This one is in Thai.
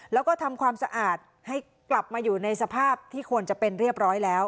แล้วก็ทำความสะอาดให้กลับมาอยู่ในสภาพที่ควรจะเป็นเรียบร้อยแล้ว